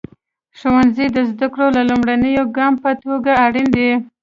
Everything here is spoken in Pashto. ښوونځی د زده کړو د لومړني ګام په توګه اړین دی.